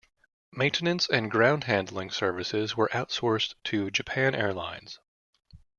Maintenance and ground handling services were outsourced to Japan Airlines.